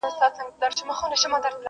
هر زړه يو درد ساتي تل،